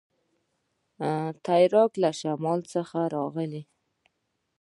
ترکان له شمال څخه راغلل